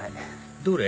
どれ？